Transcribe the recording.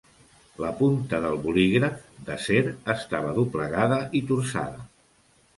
La punta del bolígraf d'acer estava doblegada i torçada.